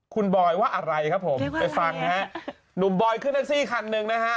คุณบอยว่าอะไรไปฟังนะฮะนุ่มบอยขึ้นทักซีคันนึงนะฮะ